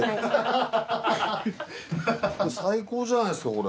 最高じゃないですかこれ。